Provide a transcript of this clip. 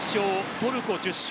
トルコ１０勝。